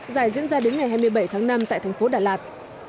giải diễn ra đến ngày hai mươi bảy tháng năm tại tp đà lạt